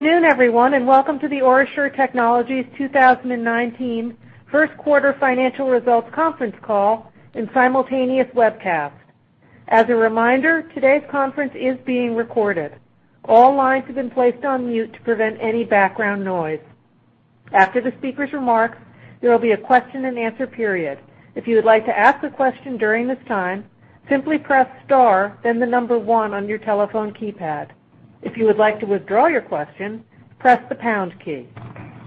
Good noon, everyone, and welcome to the OraSure Technologies 2019 first quarter financial results conference call and simultaneous webcast. As a reminder, today's conference is being recorded. All lines have been placed on mute to prevent any background noise. After the speaker's remarks, there will be a question and answer period. If you would like to ask a question during this time, simply press star, then number 1 on your telephone keypad. If you would like to withdraw your question, press the pound key.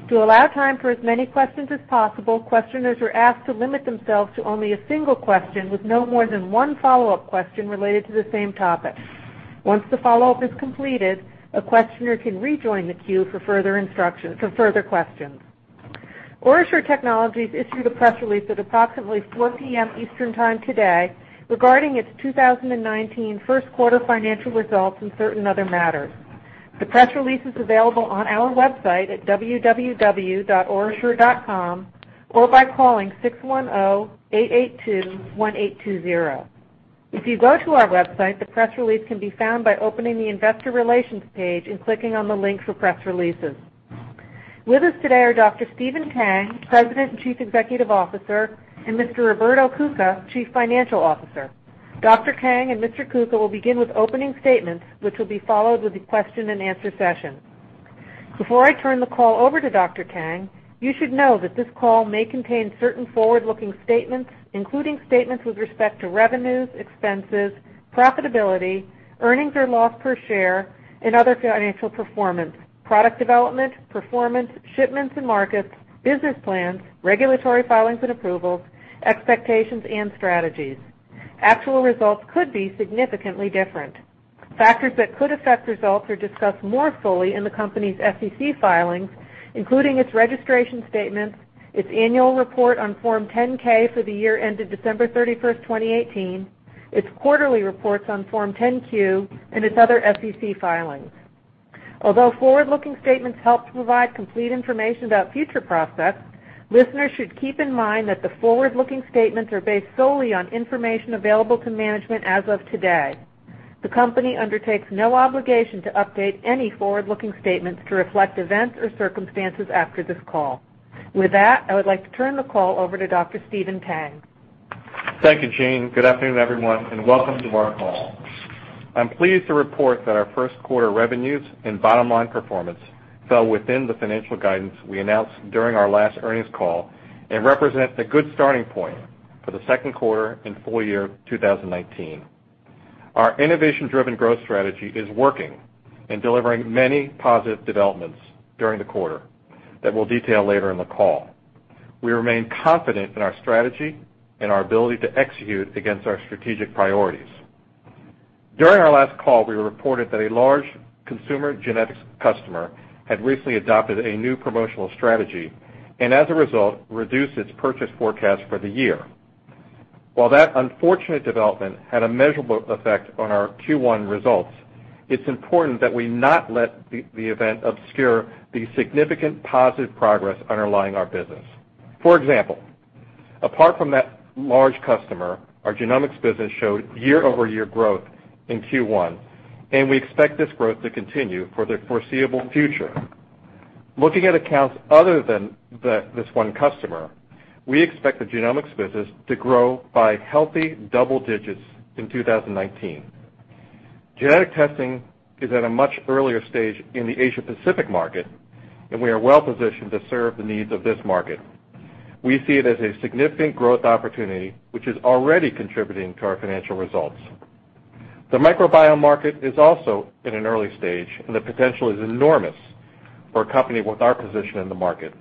To allow time for as many questions as possible, questioners are asked to limit themselves to only a single question with no more than one follow-up question related to the same topic. Once the follow-up is completed, a questioner can rejoin the queue for further questions. OraSure Technologies issued a press release at approximately 4:00 P.M. Eastern Time today regarding its 2019 first quarter financial results and certain other matters. The press release is available on our website at www.orasure.com or by calling 610-882-1820. If you go to our website, the press release can be found by opening the investor relations page and clicking on the link for press releases. With us today are Dr. Stephen Tang, President and Chief Executive Officer, and Mr. Roberto Cuca, Chief Financial Officer. Dr. Tang and Mr. Cuca will begin with opening statements, which will be followed with a question and answer session. Before I turn the call over to Dr. Tang, you should know that this call may contain certain forward-looking statements, including statements with respect to revenues, expenses, profitability, earnings or loss per share, and other financial performance, product development, performance, shipments and markets, business plans, regulatory filings and approvals, expectations, and strategies. Actual results could be significantly different. Factors that could affect results are discussed more fully in the company's SEC filings, including its registration statements, its annual report on Form 10-K for the year ended December 31st, 2018, its quarterly reports on Form 10-Q, and its other SEC filings. Although forward-looking statements help to provide complete information about future prospects, listeners should keep in mind that the forward-looking statements are based solely on information available to management as of today. The company undertakes no obligation to update any forward-looking statements to reflect events or circumstances after this call. With that, I would like to turn the call over to Dr. Stephen Tang. Thank you, Jane. Good afternoon, everyone, and welcome to our call. I'm pleased to report that our first quarter revenues and bottom-line performance fell within the financial guidance we announced during our last earnings call and represent a good starting point for the second quarter and full year 2019. Our innovation-driven growth strategy is working and delivering many positive developments during the quarter that we'll detail later in the call. We remain confident in our strategy and our ability to execute against our strategic priorities. During our last call, we reported that a large consumer genetics customer had recently adopted a new promotional strategy and as a result, reduced its purchase forecast for the year. While that unfortunate development had a measurable effect on our Q1 results, it's important that we not let the event obscure the significant positive progress underlying our business. For example, apart from that large customer, our genomics business showed year-over-year growth in Q1, and we expect this growth to continue for the foreseeable future. Looking at accounts other than this one customer, we expect the genomics business to grow by healthy double digits in 2019. Genetic testing is at a much earlier stage in the Asia-Pacific market, and we are well positioned to serve the needs of this market. We see it as a significant growth opportunity, which is already contributing to our financial results. The microbiome market is also in an early stage, and the potential is enormous for a company with our position in the market.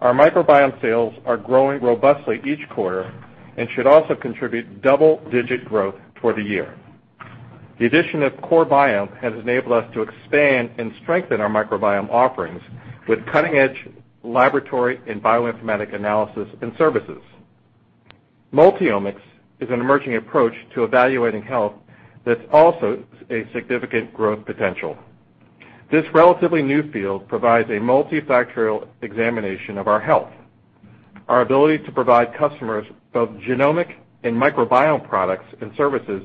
Our microbiome sales are growing robustly each quarter and should also contribute double-digit growth for the year. The addition of CoreBiome has enabled us to expand and strengthen our microbiome offerings with cutting-edge laboratory and bioinformatics analysis and services. Multiomics is an emerging approach to evaluating health that's also a significant growth potential. This relatively new field provides a multifactorial examination of our health. Our ability to provide customers both genomic and microbiome products and services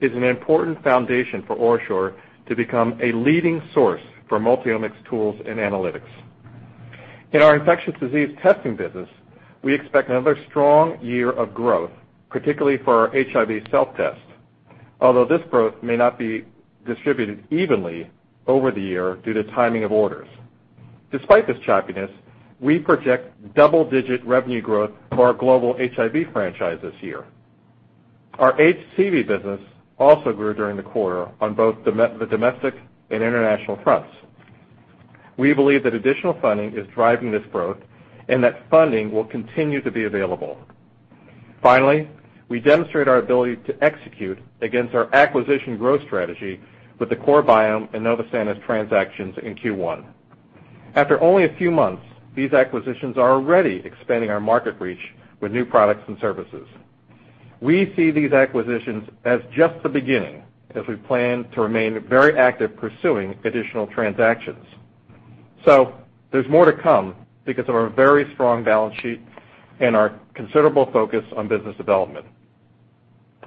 is an important foundation for OraSure to become a leading source for multiomics tools and analytics. In our infectious disease testing business, we expect another strong year of growth, particularly for our HIV self-test, although this growth may not be distributed evenly over the year due to timing of orders. Despite this choppiness, we project double-digit revenue growth for our global HIV franchise this year. Our HCV business also grew during the quarter on both the domestic and international fronts. We believe that additional funding is driving this growth and that funding will continue to be available. Finally, we demonstrate our ability to execute against our acquisition growth strategy with the CoreBiome and Novosanis transactions in Q1. After only a few months, these acquisitions are already expanding our market reach with new products and services. There's more to come because of our very strong balance sheet and our considerable focus on business development.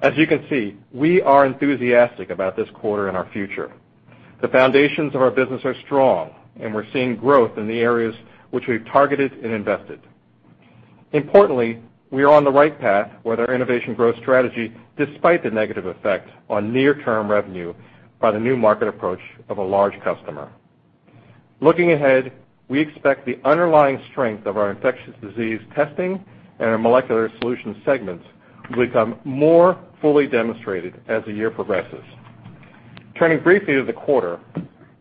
As you can see, we are enthusiastic about this quarter and our future. The foundations of our business are strong, and we're seeing growth in the areas which we've targeted and invested. Importantly, we are on the right path with our innovation growth strategy, despite the negative effect on near-term revenue by the new market approach of a large customer. Looking ahead, we expect the underlying strength of our infectious disease testing and our molecular solutions segments will become more fully demonstrated as the year progresses. Turning briefly to the quarter,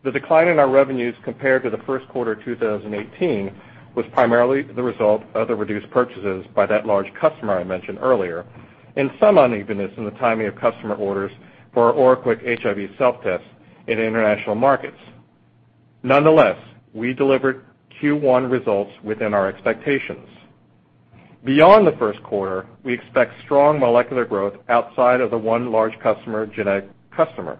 the decline in our revenues compared to the first quarter 2018 was primarily the result of the reduced purchases by that large customer I mentioned earlier, and some unevenness in the timing of customer orders for our OraQuick HIV Self-Test in international markets. Nonetheless, we delivered Q1 results within our expectations. Beyond the first quarter, we expect strong molecular growth outside of the one large customer genetic customer.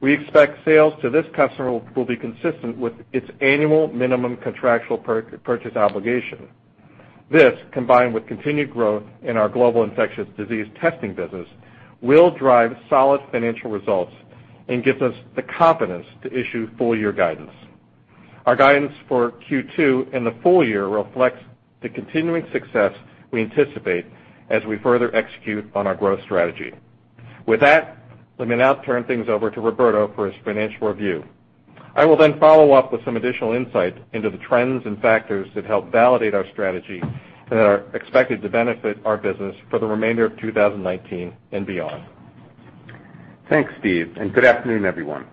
We expect sales to this customer will be consistent with its annual minimum contractual purchase obligation. This, combined with continued growth in our global infectious disease testing business, will drive solid financial results and gives us the confidence to issue full-year guidance. Our guidance for Q2 and the full year reflects the continuing success we anticipate as we further execute on our growth strategy. With that, let me now turn things over to Roberto for his financial review. I will then follow up with some additional insight into the trends and factors that help validate our strategy and that are expected to benefit our business for the remainder of 2019 and beyond. Thanks, Steve, and good afternoon, everyone.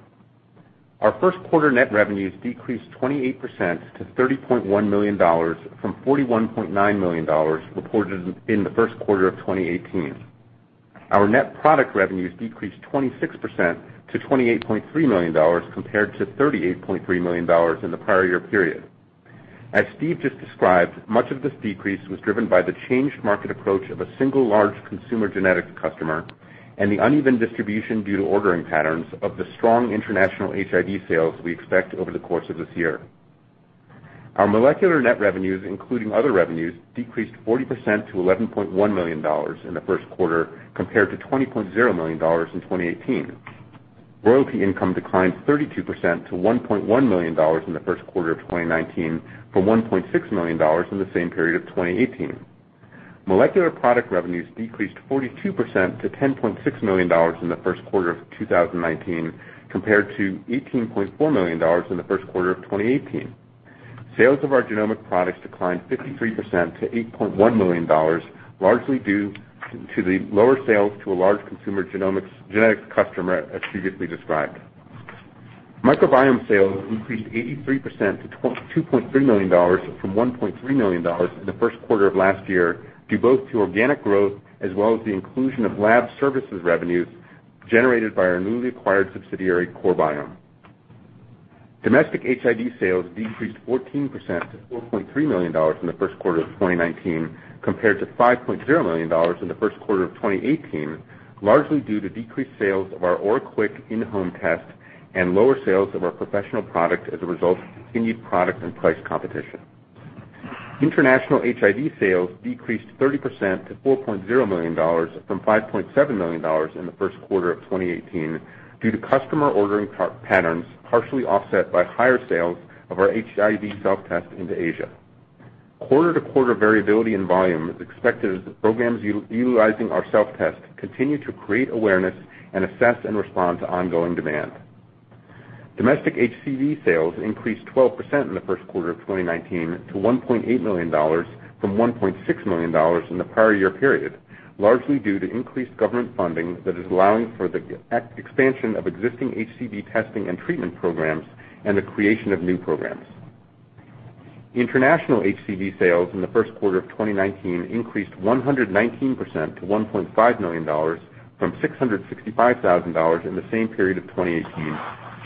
Our first quarter net revenues decreased 28% to $30.1 million from $41.9 million reported in the first quarter of 2018. Our net product revenues decreased 26% to $28.3 million compared to $38.3 million in the prior year period. As Steve just described, much of this decrease was driven by the changed market approach of a single large consumer genetics customer and the uneven distribution due to ordering patterns of the strong international HIV sales we expect over the course of this year. Our molecular net revenues, including other revenues, decreased 40% to $11.1 million in the first quarter, compared to $20.0 million in 2018. Royalty income declined 32% to $1.1 million in the first quarter of 2019 from $1.6 million in the same period of 2018. Molecular product revenues decreased 42% to $10.6 million in the first quarter of 2019, compared to $18.4 million in the first quarter of 2018. Sales of our genomic products declined 53% to $8.1 million, largely due to the lower sales to a large consumer genetics customer, as previously described. Microbiome sales increased 83% to $2.3 million from $1.3 million in the first quarter of last year due both to organic growth as well as the inclusion of lab services revenues generated by our newly acquired subsidiary, CoreBiome. Domestic HIV sales decreased 14% to $4.3 million in the first quarter of 2019, compared to $5.0 million in the first quarter of 2018, largely due to decreased sales of our OraQuick In-Home Test and lower sales of our professional product as a result of continued product and price competition. International HIV sales decreased 30% to $4.0 million from $5.7 million in the first quarter of 2018 due to customer ordering patterns partially offset by higher sales of our HIV self-test into Asia. Quarter-to-quarter variability in volume is expected as programs utilizing our self-test continue to create awareness and assess and respond to ongoing demand. Domestic HCV sales increased 12% in the first quarter of 2019 to $1.8 million from $1.6 million in the prior year period, largely due to increased government funding that is allowing for the expansion of existing HCV testing and treatment programs and the creation of new programs. International HCV sales in the first quarter of 2019 increased 119% to $1.5 million from $665,000 in the same period of 2018,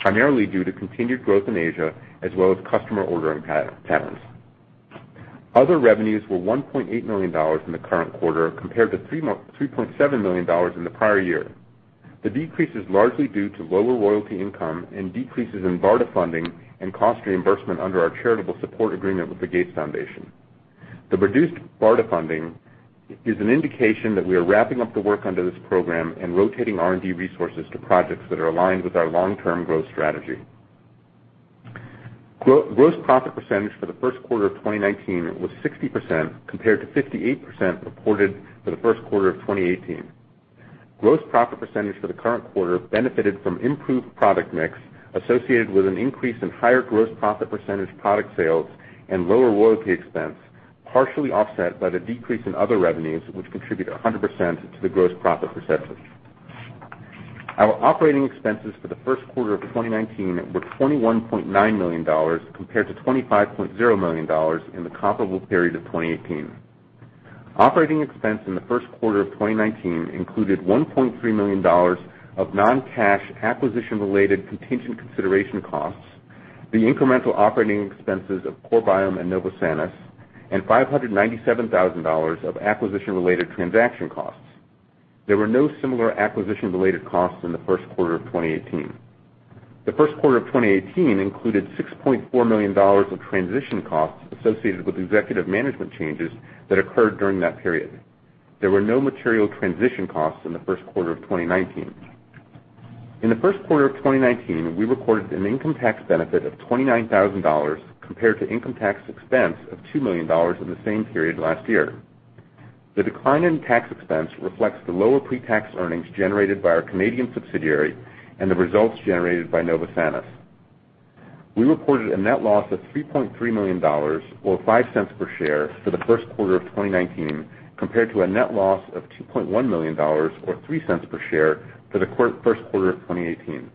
primarily due to continued growth in Asia as well as customer ordering patterns. Other revenues were $1.8 million in the current quarter compared to $3.7 million in the prior year. The decrease is largely due to lower royalty income and decreases in BARDA funding and cost reimbursement under our charitable support agreement with the Gates Foundation. The reduced BARDA funding is an indication that we are wrapping up the work under this program and rotating R&D resources to projects that are aligned with our long-term growth strategy. Gross profit percentage for the first quarter of 2019 was 60%, compared to 58% reported for the first quarter of 2018. Gross profit percentage for the current quarter benefited from improved product mix associated with an increase in higher gross profit percentage product sales and lower royalty expense, partially offset by the decrease in other revenues, which contribute 100% to the gross profit percentage. Our operating expenses for the first quarter of 2019 were $21.9 million compared to $25.0 million in the comparable period of 2018. Operating expense in the first quarter of 2019 included $1.3 million of non-cash acquisition-related contingent consideration costs, the incremental operating expenses of CoreBiome and Novosanis, and $597,000 of acquisition-related transaction costs. There were no similar acquisition-related costs in the first quarter of 2018. The first quarter of 2018 included $6.4 million of transition costs associated with executive management changes that occurred during that period. There were no material transition costs in the first quarter of 2019. In the first quarter of 2019, we recorded an income tax benefit of $29,000 compared to income tax expense of $2 million in the same period last year. The decline in tax expense reflects the lower pre-tax earnings generated by our Canadian subsidiary and the results generated by Novosanis. We reported a net loss of $3.3 million, or $0.05 per share, for the first quarter of 2019, compared to a net loss of $2.1 million, or $0.03 per share, for the first quarter of 2018.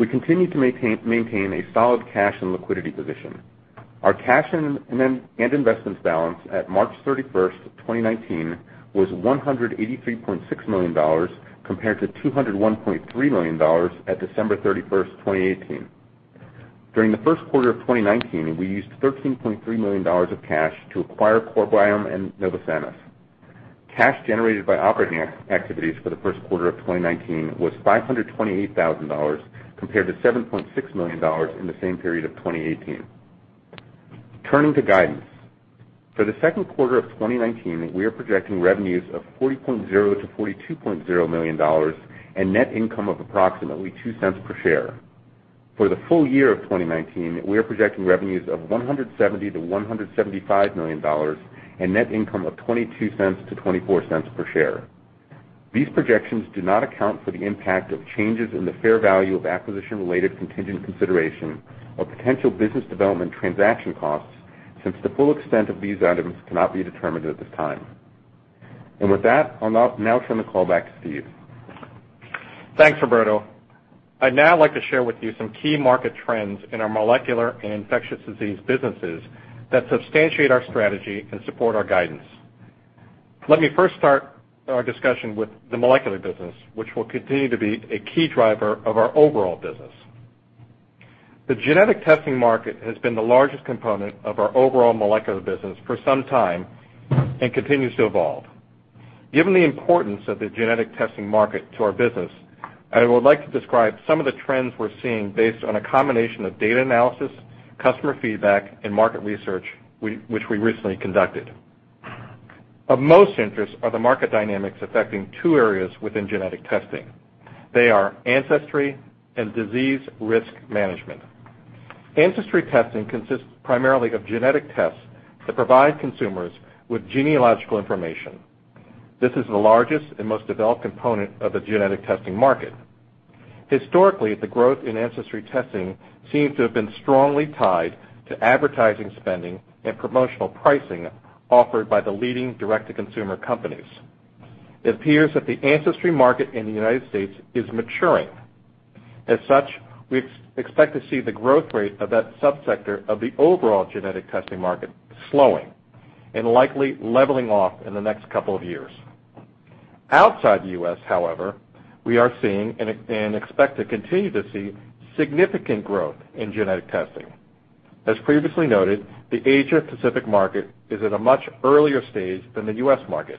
We continue to maintain a solid cash and liquidity position. Our cash and investments balance at March 31st, 2019 was $183.6 million, compared to $201.3 million at December 31st, 2018. During the first quarter of 2019, we used $13.3 million of cash to acquire CoreBiome and Novosanis. Cash generated by operating activities for the first quarter of 2019 was $528,000, compared to $7.6 million in the same period of 2018. Turning to guidance. For the second quarter of 2019, we are projecting revenues of $40.0 million-$42.0 million and net income of approximately $0.02 per share. For the full year of 2019, we are projecting revenues of $170 million-$175 million and net income of $0.22-$0.24 per share. These projections do not account for the impact of changes in the fair value of acquisition-related contingent consideration or potential business development transaction costs, since the full extent of these items cannot be determined at this time. With that, I'll now turn the call back to Steve. Thanks, Roberto. I'd now like to share with you some key market trends in our molecular and infectious disease businesses that substantiate our strategy and support our guidance. Let me first start our discussion with the molecular business, which will continue to be a key driver of our overall business. The genetic testing market has been the largest component of our overall molecular business for some time and continues to evolve. Given the importance of the genetic testing market to our business, I would like to describe some of the trends we're seeing based on a combination of data analysis, customer feedback, and market research which we recently conducted. Of most interest are the market dynamics affecting two areas within genetic testing. They are ancestry and disease risk management. Ancestry testing consists primarily of genetic tests that provide consumers with genealogical information. This is the largest and most developed component of the genetic testing market. Historically, the growth in ancestry testing seems to have been strongly tied to advertising spending and promotional pricing offered by the leading direct-to-consumer companies. It appears that the ancestry market in the U.S. is maturing. As such, we expect to see the growth rate of that subsector of the overall genetic testing market slowing and likely leveling off in the next couple of years. Outside the U.S., however, we are seeing and expect to continue to see significant growth in genetic testing. As previously noted, the Asia-Pacific market is at a much earlier stage than the U.S. market.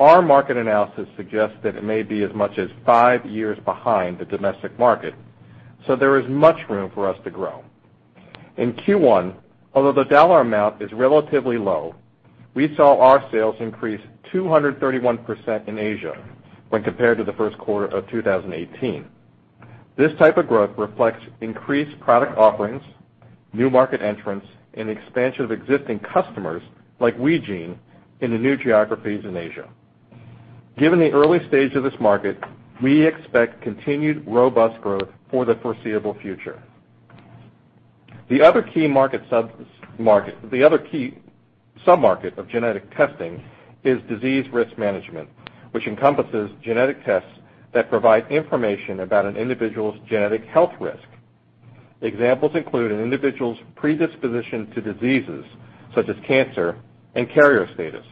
Our market analysis suggests that it may be as much as five years behind the domestic market. There is much room for us to grow. In Q1, although the dollar amount is relatively low, we saw our sales increase 231% in Asia when compared to the first quarter of 2018. This type of growth reflects increased product offerings, new market entrants, and expansion of existing customers, like WeGene, into new geographies in Asia. Given the early stage of this market, we expect continued robust growth for the foreseeable future. The other key submarket of genetic testing is disease risk management, which encompasses genetic tests that provide information about an individual's genetic health risk. Examples include an individual's predisposition to diseases such as cancer and carrier status.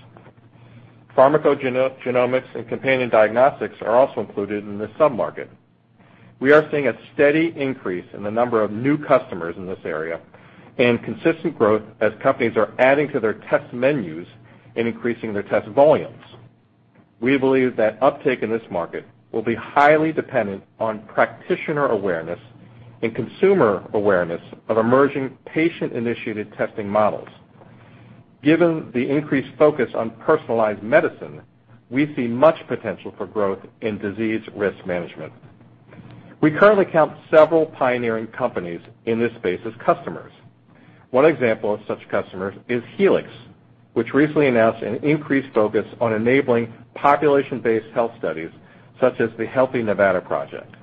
Pharmacogenomics and companion diagnostics are also included in this submarket. We are seeing a steady increase in the number of new customers in this area and consistent growth as companies are adding to their test menus and increasing their test volumes. We believe that uptake in this market will be highly dependent on practitioner awareness and consumer awareness of emerging patient-initiated testing models. Given the increased focus on personalized medicine, we see much potential for growth in disease risk management. We currently count several pioneering companies in this space as customers. One example of such customers is Helix, which recently announced an increased focus on enabling population-based health studies such as the Healthy Nevada Project.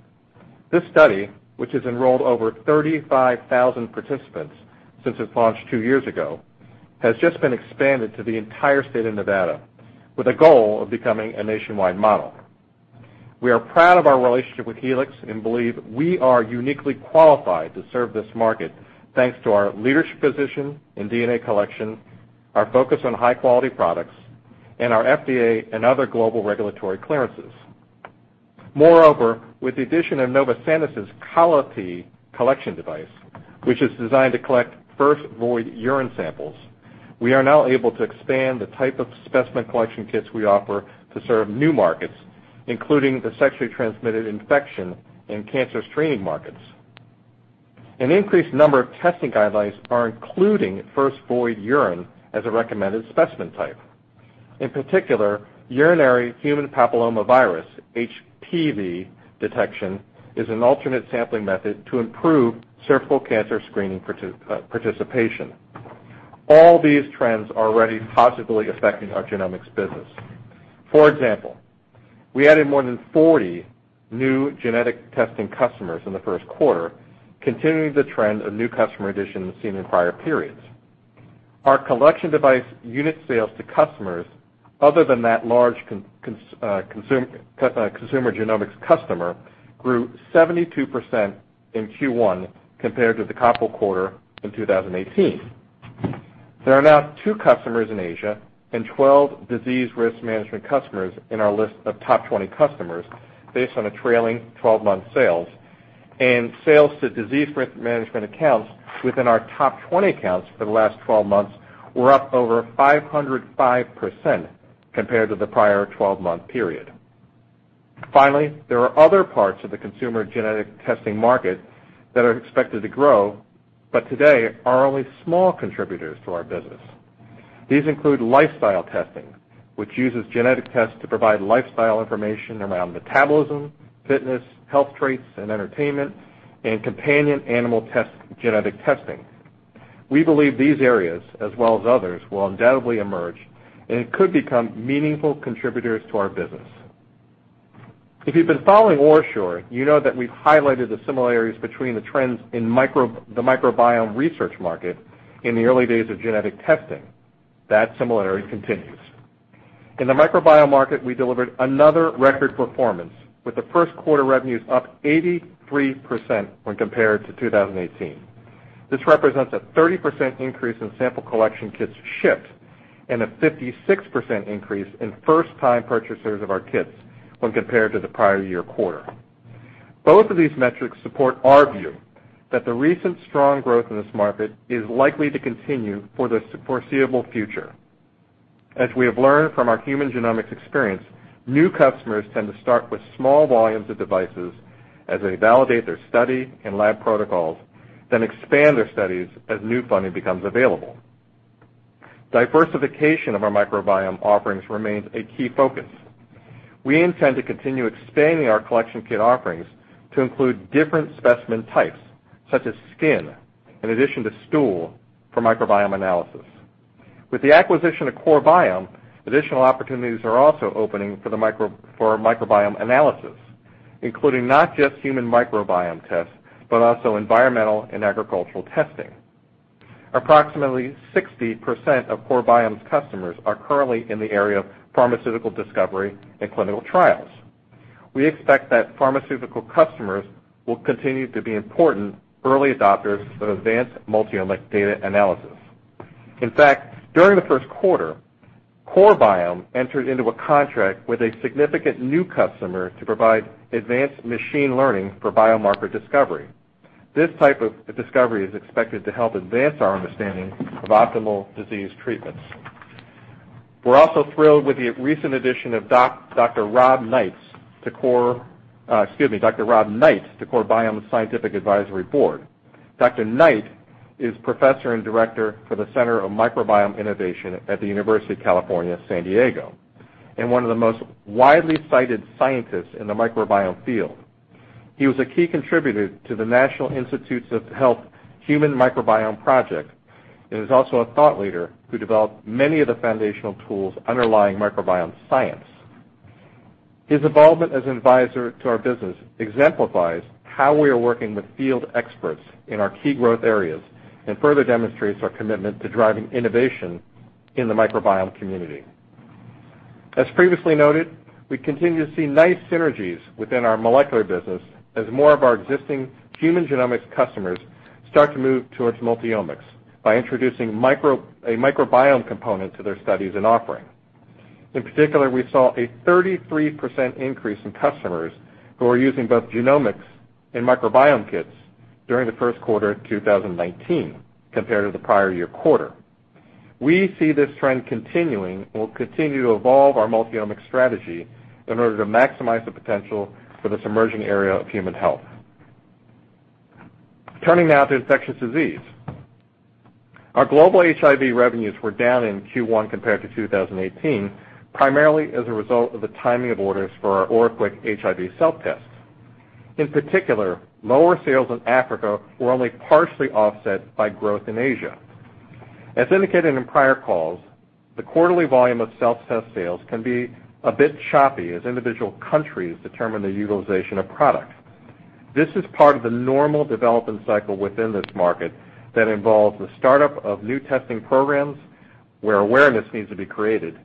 This study, which has enrolled over 35,000 participants since its launch two years ago, has just been expanded to the entire state of Nevada with a goal of becoming a nationwide model. We are proud of our relationship with Helix and believe we are uniquely qualified to serve this market, thanks to our leadership position in DNA collection, our focus on high-quality products, and our FDA and other global regulatory clearances. Moreover, with the addition of Novosanis' Colli-Pee collection device, which is designed to collect first void urine samples. We are now able to expand the type of specimen collection kits we offer to serve new markets, including the sexually transmitted infection and cancer screening markets. An increased number of testing guidelines are including first void urine as a recommended specimen type. In particular, urinary human papillomavirus, HPV, detection is an alternate sampling method to improve cervical cancer screening participation. All these trends are already positively affecting our genomics business. For example, we added more than 40 new genetic testing customers in the first quarter, continuing the trend of new customer additions seen in prior periods. Our collection device unit sales to customers, other than that large consumer genomics customer, grew 72% in Q1 compared to the comparable quarter in 2018. There are now two customers in Asia and 12 disease risk management customers in our list of top 20 customers, based on a trailing 12-month sales. Sales to disease risk management accounts within our top 20 accounts for the last 12 months were up over 505% compared to the prior 12-month period. Finally, there are other parts of the consumer genetic testing market that are expected to grow, but today are only small contributors to our business. These include lifestyle testing, which uses genetic tests to provide lifestyle information around metabolism, fitness, health traits, and entertainment, and companion animal genetic testing. We believe these areas, as well as others, will undoubtedly emerge, and could become meaningful contributors to our business. If you've been following OraSure, you know that we've highlighted the similarities between the trends in the microbiome research market in the early days of genetic testing. That similarity continues. In the microbiome market, we delivered another record performance, with the first quarter revenues up 83% when compared to 2018. This represents a 30% increase in sample collection kits shipped and a 56% increase in first-time purchasers of our kits when compared to the prior year quarter. Both of these metrics support our view that the recent strong growth in this market is likely to continue for the foreseeable future. As we have learned from our human genomics experience, new customers tend to start with small volumes of devices as they validate their study and lab protocols, then expand their studies as new funding becomes available. Diversification of our microbiome offerings remains a key focus. We intend to continue expanding our collection kit offerings to include different specimen types, such as skin, in addition to stool, for microbiome analysis. With the acquisition of CoreBiome, additional opportunities are also opening for microbiome analysis, including not just human microbiome tests, but also environmental and agricultural testing. Approximately 60% of CoreBiome's customers are currently in the area of pharmaceutical discovery and clinical trials. We expect that pharmaceutical customers will continue to be important early adopters of advanced multi-omic data analysis. In fact, during the first quarter, CoreBiome entered into a contract with a significant new customer to provide advanced machine learning for biomarker discovery. This type of discovery is expected to help advance our understanding of optimal disease treatments. We are also thrilled with the recent addition of Dr. Rob Knight to CoreBiome's scientific advisory board. Dr. Knight is professor and director for the Center for Microbiome Innovation at the University of California, San Diego, and one of the most widely cited scientists in the microbiome field. He was a key contributor to the National Institutes of Health Human Microbiome Project and is also a thought leader who developed many of the foundational tools underlying microbiome science. His involvement as an advisor to our business exemplifies how we are working with field experts in our key growth areas and further demonstrates our commitment to driving innovation in the microbiome community. As previously noted, we continue to see nice synergies within our molecular business as more of our existing human genomics customers start to move towards multi-omics by introducing a microbiome component to their studies and offering. In particular, we saw a 33% increase in customers who are using both genomics and microbiome kits during the first quarter of 2019 compared to the prior year quarter. We see this trend continuing. We will continue to evolve our multi-omic strategy in order to maximize the potential for this emerging area of human health. Turning now to infectious disease. Our global HIV revenues were down in Q1 compared to 2018, primarily as a result of the timing of orders for our OraQuick HIV Self-Test. In particular, lower sales in Africa were only partially offset by growth in Asia. As indicated in prior calls, the quarterly volume of Self-Test sales can be a bit choppy as individual countries determine their utilization of product. This is part of the normal development cycle within this market that involves the startup of new testing programs where awareness needs to be created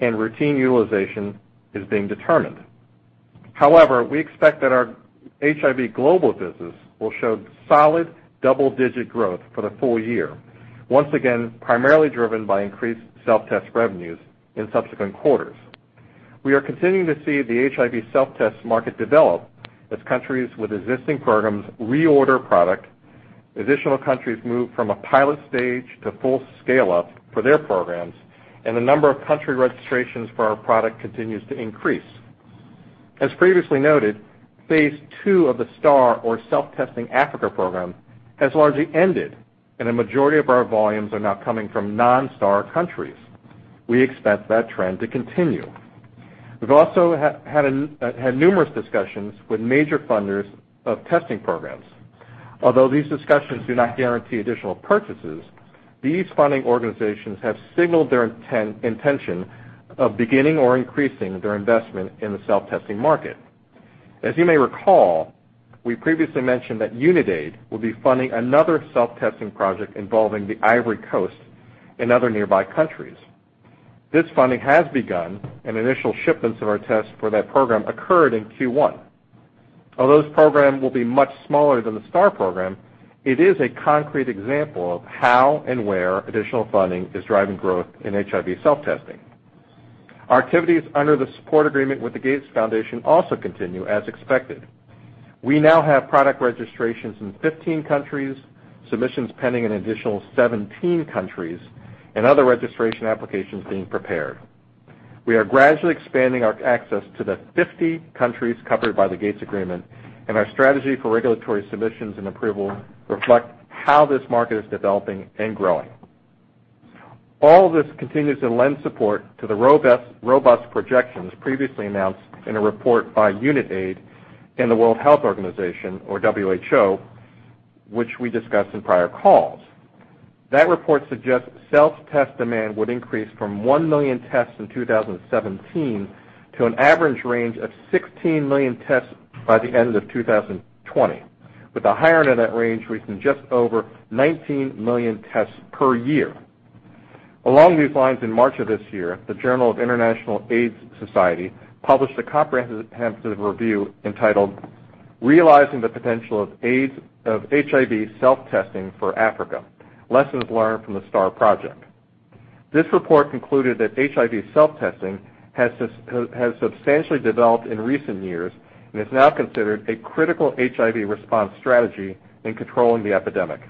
and routine utilization is being determined. However, we expect that our HIV global business will show solid double-digit growth for the full year, once again, primarily driven by increased Self-Test revenues in subsequent quarters. We are continuing to see the HIV Self-Test market develop as countries with existing programs reorder product, additional countries move from a pilot stage to full scale-up for their programs, and the number of country registrations for our product continues to increase. As previously noted, phase 2 of the STAR, or Self-Testing Africa program, has largely ended, and a majority of our volumes are now coming from non-STAR countries. We expect that trend to continue. We have also had numerous discussions with major funders of testing programs. Although these discussions do not guarantee additional purchases, these funding organizations have signaled their intention of beginning or increasing their investment in the Self-Testing market. As you may recall, we previously mentioned that Unitaid will be funding another self-testing project involving the Ivory Coast and other nearby countries. This funding has begun, and initial shipments of our test for that program occurred in Q1. Although this program will be much smaller than the STAR program, it is a concrete example of how and where additional funding is driving growth in HIV self-testing. Our activities under the support agreement with the Gates Foundation also continue as expected. We now have product registrations in 15 countries, submissions pending in an additional 17 countries, and other registration applications being prepared. We are gradually expanding our access to the 50 countries covered by the Gates agreement, and our strategy for regulatory submissions and approval reflect how this market is developing and growing. All this continues to lend support to the robust projections previously announced in a report by Unitaid and the World Health Organization, or WHO, which we discussed in prior calls. That report suggests self-test demand would increase from 1 million tests in 2017 to an average range of 16 million tests by the end of 2020, with a higher net range reaching just over 19 million tests per year. Along these lines, in March of this year, the Journal of the International AIDS Society published a comprehensive review entitled, "Realizing the Potential of HIV Self-Testing for Africa: Lessons Learned from the STAR Project." This report concluded that HIV self-testing has substantially developed in recent years and is now considered a critical HIV response strategy in controlling the epidemic.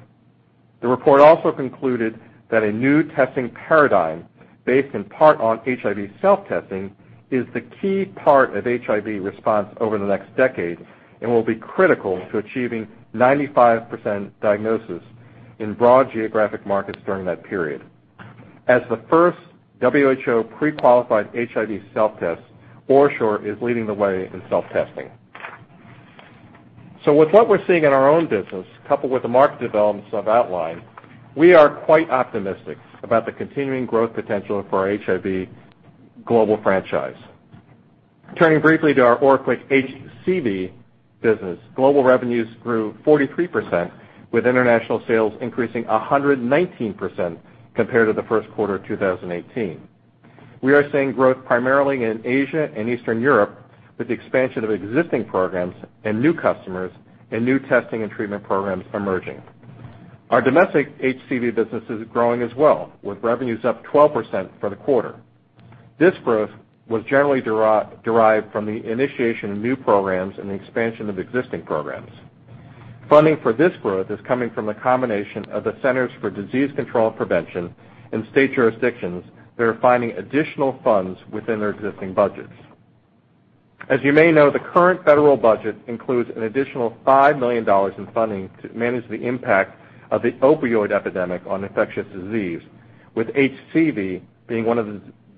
The report also concluded that a new testing paradigm, based in part on HIV self-testing, is the key part of HIV response over the next decade and will be critical to achieving 95% diagnosis in broad geographic markets during that period. As the first WHO pre-qualified HIV self-test, OraSure is leading the way in self-testing. With what we're seeing in our own business, coupled with the market developments I've outlined, we are quite optimistic about the continuing growth potential for our HIV global franchise. Turning briefly to our OraQuick HCV business, global revenues grew 43%, with international sales increasing 119% compared to the first quarter of 2018. We are seeing growth primarily in Asia and Eastern Europe with the expansion of existing programs and new customers and new testing and treatment programs emerging. Our domestic HCV business is growing as well, with revenues up 12% for the quarter. This growth was generally derived from the initiation of new programs and the expansion of existing programs. Funding for this growth is coming from a combination of the Centers for Disease Control and Prevention and state jurisdictions that are finding additional funds within their existing budgets. As you may know, the current federal budget includes an additional $5 million in funding to manage the impact of the opioid epidemic on infectious disease, with HCV being one of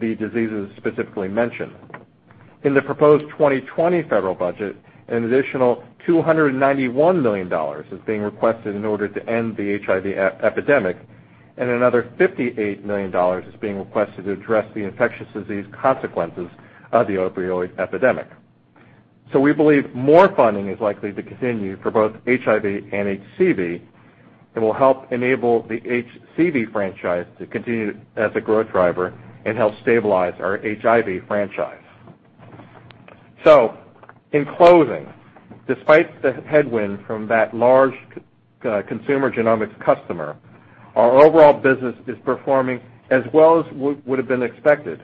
the diseases specifically mentioned. In the proposed 2020 federal budget, an additional $291 million is being requested in order to end the HIV epidemic, and another $58 million is being requested to address the infectious disease consequences of the opioid epidemic. We believe more funding is likely to continue for both HIV and HCV and will help enable the HCV franchise to continue as a growth driver and help stabilize our HIV franchise. In closing, despite the headwind from that large consumer genomics customer, our overall business is performing as well as would have been expected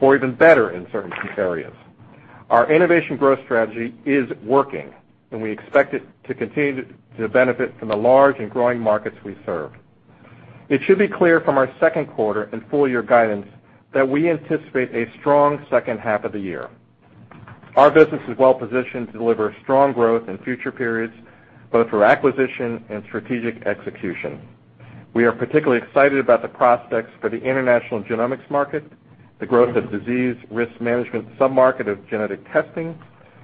or even better in certain key areas. Our innovation growth strategy is working, and we expect it to continue to benefit from the large and growing markets we serve. It should be clear from our second quarter and full-year guidance that we anticipate a strong second half of the year. Our business is well positioned to deliver strong growth in future periods, both through acquisition and strategic execution. We are particularly excited about the prospects for the international genomics market, the growth of disease risk management sub-market of genetic testing,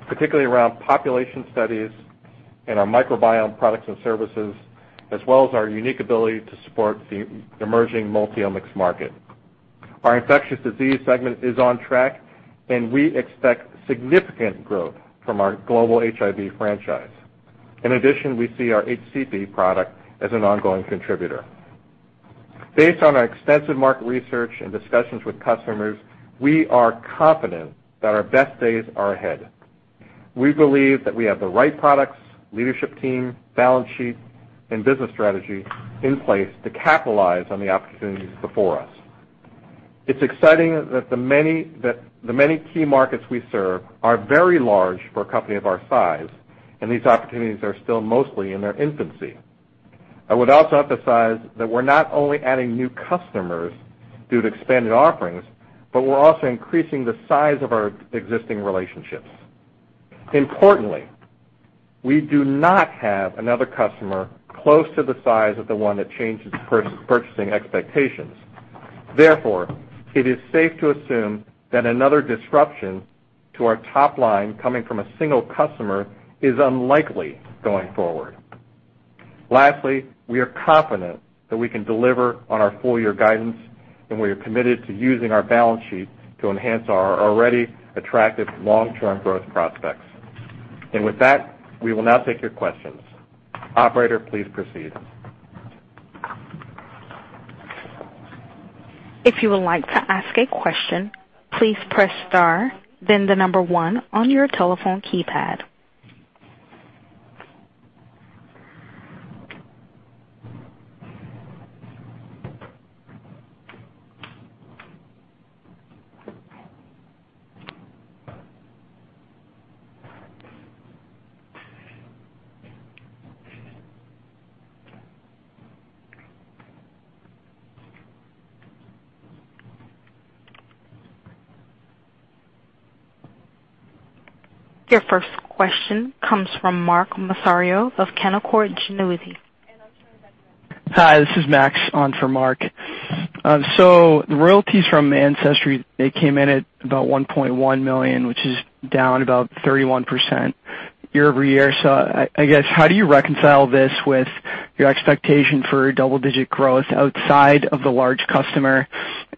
particularly around population studies and our microbiome products and services, as well as our unique ability to support the emerging multiomics market. Our infectious disease segment is on track, and we expect significant growth from our global HIV franchise. In addition, we see our HCV product as an ongoing contributor. Based on our extensive market research and discussions with customers, we are confident that our best days are ahead. We believe that we have the right products, leadership team, balance sheet, and business strategy in place to capitalize on the opportunities before us. It's exciting that the many key markets we serve are very large for a company of our size, and these opportunities are still mostly in their infancy. I would also emphasize that we're not only adding new customers due to expanded offerings, but we're also increasing the size of our existing relationships. Importantly, we do not have another customer close to the size of the one that changed its purchasing expectations. Therefore, it is safe to assume that another disruption to our top line coming from a single customer is unlikely going forward. Lastly, we are confident that we can deliver on our full-year guidance, and we are committed to using our balance sheet to enhance our already attractive long-term growth prospects. With that, we will now take your questions. Operator, please proceed. If you would like to ask a question, please press star, then the number one on your telephone keypad. Your first question comes from Mark Massaro of Canaccord Genuity. Hi, this is Max on for Mark. The royalties from Ancestry, they came in at about $1.1 million, which is down about 31% year-over-year. I guess, how do you reconcile this with your expectation for double-digit growth outside of the large customer?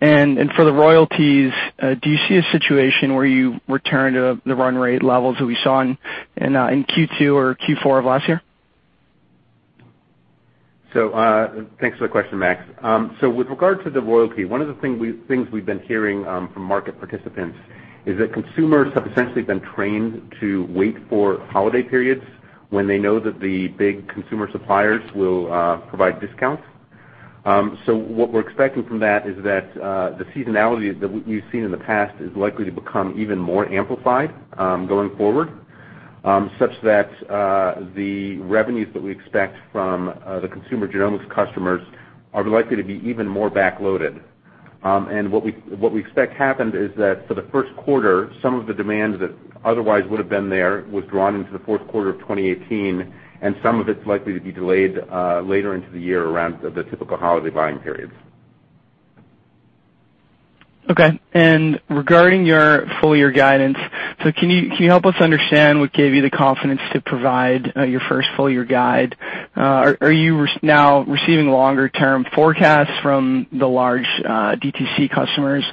For the royalties, do you see a situation where you return to the run rate levels that we saw in Q2 or Q4 of last year? Thanks for the question, Max. With regard to the royalty, one of the things we've been hearing from market participants is that consumers have essentially been trained to wait for holiday periods when they know that the big consumer suppliers will provide discounts. What we're expecting from that is that, the seasonality that we've seen in the past is likely to become even more amplified, going forward, such that, the revenues that we expect from the consumer genomics customers are likely to be even more back-loaded. What we expect happened is that for the first quarter, some of the demand that otherwise would have been there was drawn into the fourth quarter of 2018, and some of it's likely to be delayed later into the year around the typical holiday buying periods. Okay. Regarding your full-year guidance, can you help us understand what gave you the confidence to provide your first full-year guide? Are you now receiving longer-term forecasts from the large DTC customers?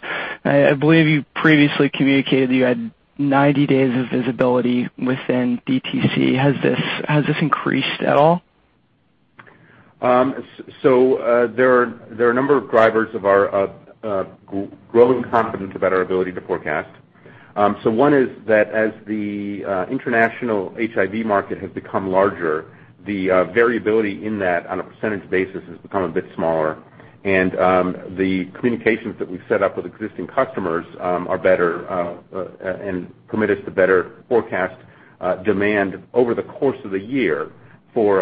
I believe you previously communicated that you had 90 days of visibility within DTC. Has this increased at all? There are a number of drivers of our growing confidence about our ability to forecast. One is that as the international HIV market has become larger, the variability in that on a percentage basis has become a bit smaller. The communications that we've set up with existing customers are better and permit us to better forecast demand over the course of the year for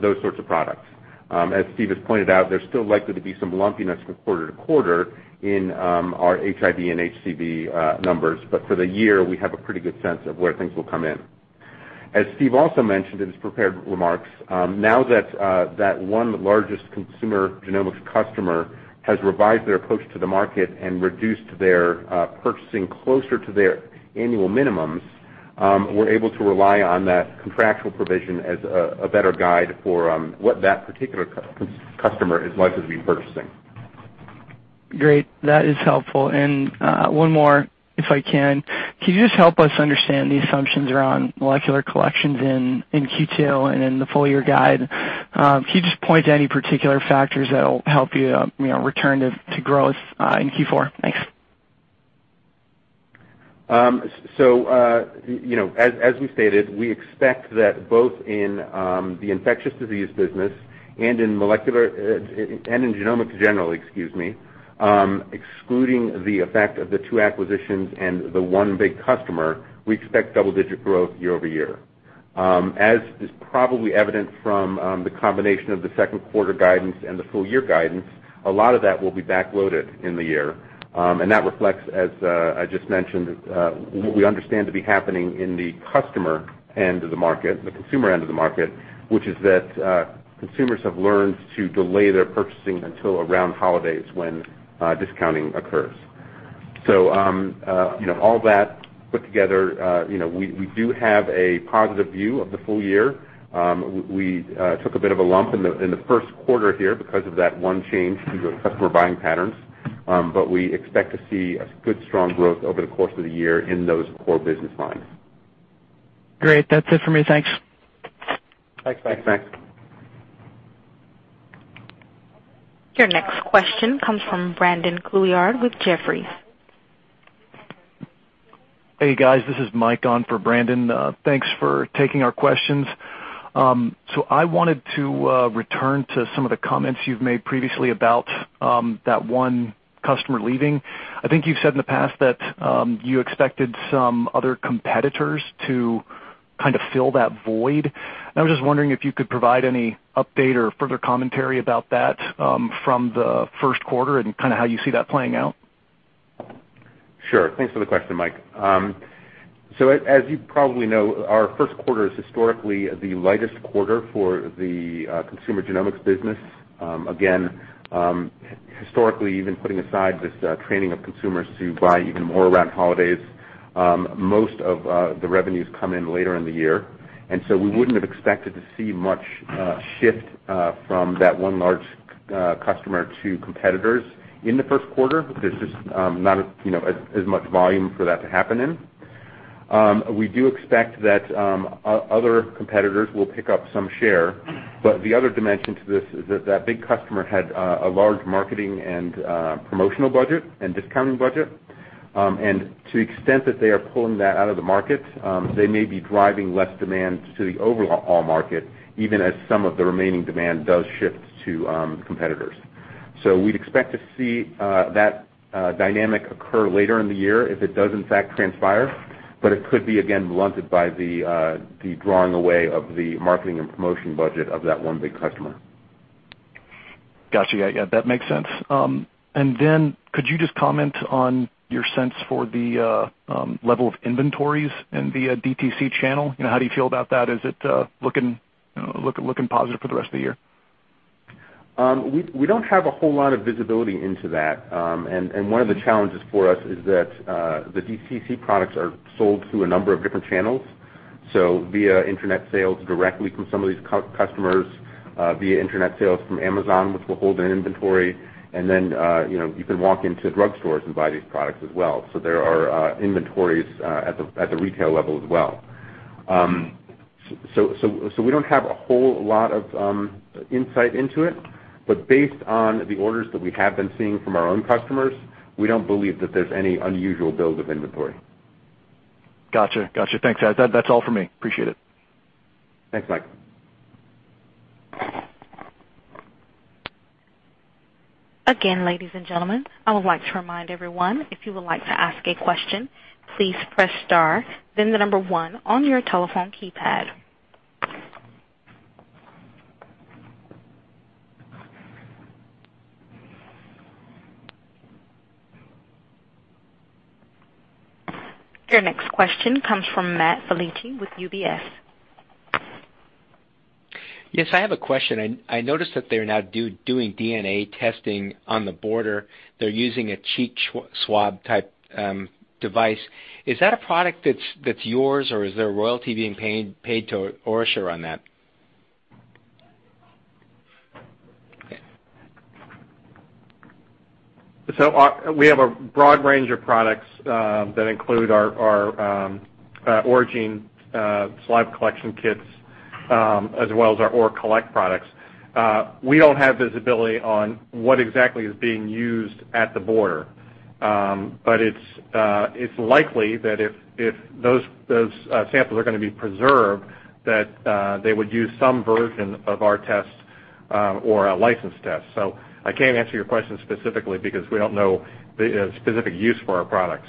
those sorts of products. As Steve has pointed out, there's still likely to be some lumpiness from quarter-to-quarter in our HIV and HCV numbers, but for the year, we have a pretty good sense of where things will come in. As Steve also mentioned in his prepared remarks, now that that one largest consumer genomics customer has revised their approach to the market and reduced their purchasing closer to their annual minimums, we're able to rely on that contractual provision as a better guide for what that particular customer is likely to be purchasing. Great. That is helpful. One more, if I can. Can you just help us understand the assumptions around molecular collections in Q2 and in the full-year guide? Can you just point to any particular factors that will help you return to growth in Q4? Thanks. As we stated, we expect that both in the infectious disease business and in genomics, in general, excluding the effect of the two acquisitions and the one big customer, we expect double-digit growth year-over-year. As is probably evident from the combination of the second quarter guidance and the full-year guidance, a lot of that will be back-loaded in the year. That reflects, as I just mentioned, what we understand to be happening in the customer end of the market, the consumer end of the market, which is that consumers have learned to delay their purchasing until around holidays when discounting occurs. All that put together, we do have a positive view of the full year. We took a bit of a lump in the first quarter here because of that one change to the customer buying patterns. We expect to see a good strong growth over the course of the year in those core business lines. Great. That's it for me. Thanks. Thanks, Max. Your next question comes from Brandon Couillard with Jefferies. Hey guys, this is Mike on for Brandon. Thanks for taking our questions. I wanted to return to some of the comments you've made previously about that one customer leaving. I think you've said in the past that you expected some other competitors to kind of fill that void. I'm just wondering if you could provide any update or further commentary about that from the first quarter and how you see that playing out. Sure. Thanks for the question, Mike. As you probably know, our first quarter is historically the lightest quarter for the consumer genomics business. Again, historically, even putting aside this training of consumers to buy even more around holidays, most of the revenues come in later in the year, and so we wouldn't have expected to see much shift from that one large customer to competitors in the first quarter. There's just not as much volume for that to happen in. We do expect that other competitors will pick up some share. The other dimension to this is that that big customer had a large marketing and promotional budget and discounting budget. To the extent that they are pulling that out of the market, they may be driving less demand to the overall market, even as some of the remaining demand does shift to competitors. We'd expect to see that dynamic occur later in the year if it does in fact transpire, but it could be again blunted by the drawing away of the marketing and promotion budget of that one big customer. Got you. Yeah, that makes sense. Could you just comment on your sense for the level of inventories in the DTC channel? How do you feel about that? Is it looking positive for the rest of the year? We don't have a whole lot of visibility into that. One of the challenges for us is that the DTC products are sold through a number of different channels. Via internet sales directly from some of these customers, via internet sales from Amazon, which will hold an inventory, and then you can walk into drugstores and buy these products as well. There are inventories at the retail level as well. We don't have a whole lot of insight into it, but based on the orders that we have been seeing from our own customers, we don't believe that there's any unusual build of inventory. Got you. Thanks. That's all for me. Appreciate it. Thanks, Mike. Again, ladies and gentlemen, I would like to remind everyone, if you would like to ask a question, please press star, then the number one on your telephone keypad. Your next question comes from Matt Felici with UBS. Yes, I have a question. I noticed that they're now doing DNA testing on the border. They're using a cheek swab-type device. Is that a product that's yours, or is there a royalty being paid to OraSure on that? We have a broad range of products that include our Oragene saliva collection kits, as well as our ORAcollect products. We don't have visibility on what exactly is being used at the border. It's likely that if those samples are going to be preserved, that they would use some version of our test or a licensed test. I can't answer your question specifically because we don't know the specific use for our products.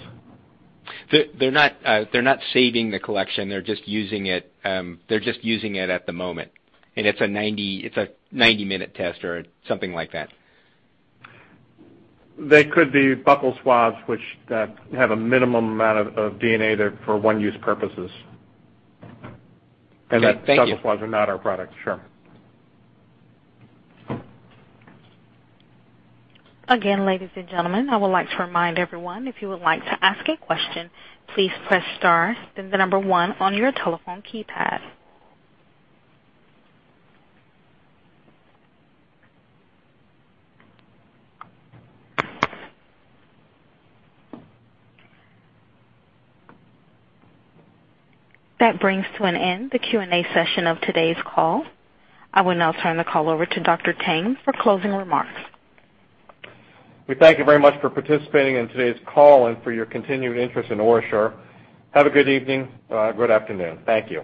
They're not saving the collection. They're just using it at the moment. It's a 90-minute test or something like that. They could be buccal swabs, which have a minimum amount of DNA. They're for one-use purposes. Thank you. The buccal swabs are not our product. Sure. Again, ladies and gentlemen, I would like to remind everyone, if you would like to ask a question, please press star, then the number one on your telephone keypad. That brings to an end the Q&A session of today's call. I will now turn the call over to Dr. Tang for closing remarks. We thank you very much for participating in today's call and for your continued interest in OraSure. Have a good evening or good afternoon. Thank you.